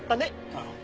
ああ。